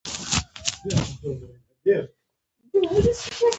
نوی توپ د لوبو لپاره اړین وي